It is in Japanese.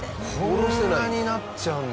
こんなになっちゃうんだ。